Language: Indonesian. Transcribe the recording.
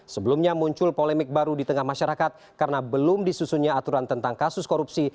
sebelumnya muncul polemik baru di tengah masyarakat karena belum disusunnya aturan tentang kasus korupsi